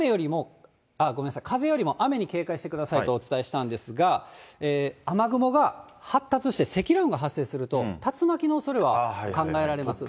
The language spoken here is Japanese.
風よりも雨に警戒してくださいとお伝えしたんですが、雨雲が発達して積乱雲が発生すると、竜巻のおそれは考えられます。